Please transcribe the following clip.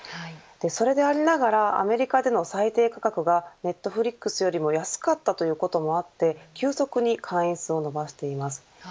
それでありながらアメリカでの最低価格がネットフリックスよりも安かったということもあって急速に会員数を伸ばしています。